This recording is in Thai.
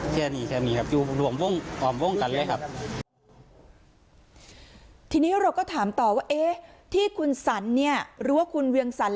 ทีนี้เราก็ถามต่อที่คุณสันหรือคุณเวียงสัน